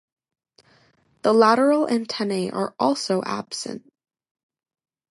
The lateral antennae are also absent.